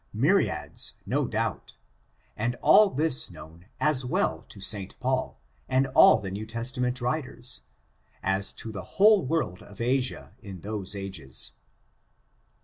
Myriads^ no doubt; and all this known as well to St. Paul, and all the New Tes tament writers, as to the whole world of Asia, in those ages.